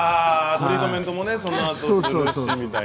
トリートメントもね。